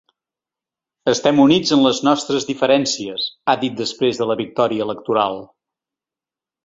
Estem units en les nostres diferències, ha dit després de la victòria electoral.